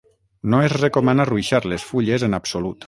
No es recomana ruixar les fulles en absolut.